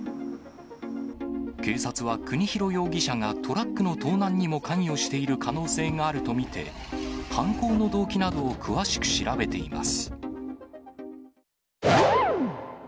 警察は国広容疑者がトラックの盗難にも関与している可能性があると見て、犯行の動機などを詳しく調べています。